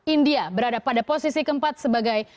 india berada pada posisi keempat sebagai